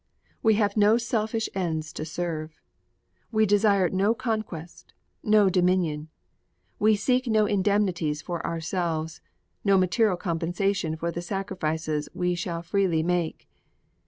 We have no selfish ends to serve. We desire no conquest, no dominion. We seek no indemnities for ourselves, no material compensation for the sacrifices we shall freely make.